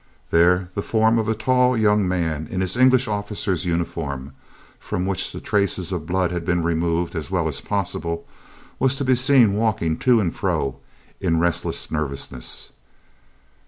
There the form of the tall young man in his English officer's uniform, from which the traces of blood had been removed as well as possible, was to be seen walking to and fro in restless nervousness.